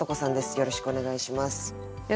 よろしくお願いします。